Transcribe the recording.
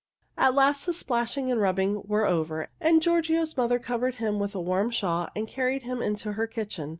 At last the splashing and rubbing were over, and Giorgio's mother covered him with a warm shawl and carried him into her kitchen.